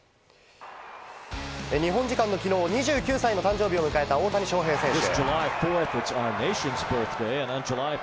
日本時間のきのう、２９歳の誕生日を迎えた大谷翔平選手。